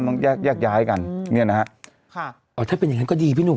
ต้องแยกแยกย้ายกันเนี่ยนะฮะค่ะอ๋อถ้าเป็นอย่างนั้นก็ดีพี่หนุ่ม